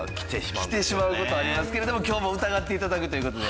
来てしまう事ありますけれども今日も疑って頂くという事で。